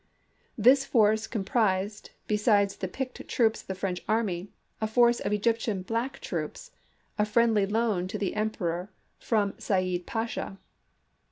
This force comprised, besides the picked troops of the French army, a force of Egyptian black troops, a friendly loan to the Em MEXICO 47 peror from Said Pasha.